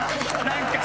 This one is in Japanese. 何か！